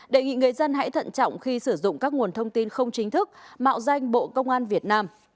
đề nghị người dân hãy thận trọng khi sử dụng các nguồn thông tin không chính thức mạo danh bộ công an việt nam